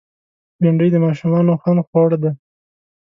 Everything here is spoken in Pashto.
بېنډۍ د ماشومانو خوند خوړ دی